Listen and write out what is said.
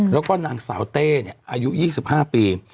แล้วก็นางสาวเต้อายุ๒๕ปี